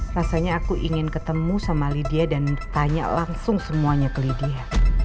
rasanya aku ingin ketemu sama lydia dan tanya langsung semuanya ke lydia